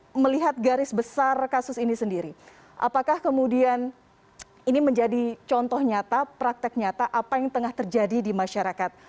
bagaimana melihat garis besar kasus ini sendiri apakah kemudian ini menjadi contoh nyata praktek nyata apa yang tengah terjadi di masyarakat